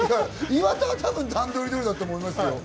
岩田は多分、段取り通りだと思いますよ。